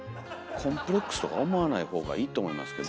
コンプレックスとか思わないほうがいいと思いますけど。